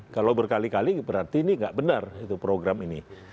kalau berkali kali berarti ini nggak benar itu program ini